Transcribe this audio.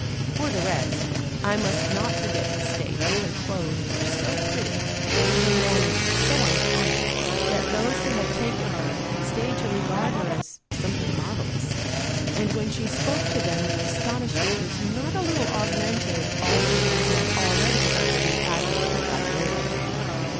For the rest, I must not forget to state that her clothes were so pretty, and her manners so uncommon, that those who had taken her stayed to regard her as something marvelous; and when she spoke to them their astonishment was not a little augmented, although they had already heard of the admirable Babiola.